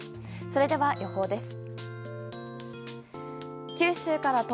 それでは、予報です。